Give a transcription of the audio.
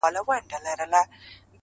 ستا دردونه دي نیمی و ماته راسي،